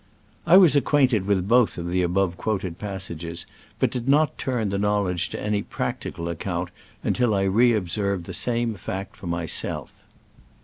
I was acquainted with both of the above quoted passages, but did not turn the knowledge to any practical account until I re observed the same fact for my self.